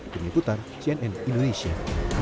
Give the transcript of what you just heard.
dini putar cnn indonesia